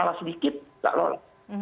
salah sedikit nggak lolos